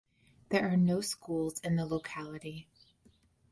There are no schools in the locality.